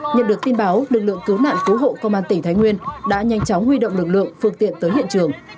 nhận được tin báo lực lượng cứu nạn cứu hộ công an tỉnh thái nguyên đã nhanh chóng huy động lực lượng phương tiện tới hiện trường